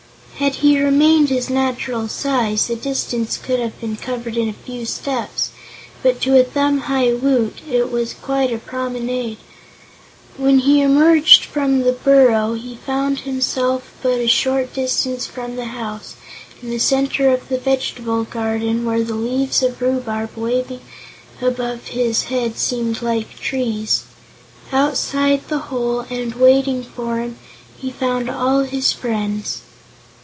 Had he remained his natural size, the distance could have been covered in a few steps, but to a thumb high Woot it was quite a promenade. When he emerged from the burrow he found himself but a short distance from the house, in the center of the vegetable garden, where the leaves of rhubarb waving above his head seemed like trees. Outside the hole, and waiting for him, he found all his friends.